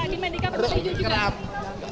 di rumah sakit mana pak